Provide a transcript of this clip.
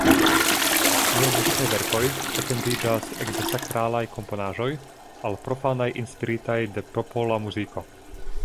Liaj muzikaj verkoj etendiĝas ekde sakralaj komponaĵoj al profanaj inspiritaj de popola muziko.